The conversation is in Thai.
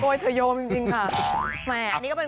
โกยเถยมจริงค่ะ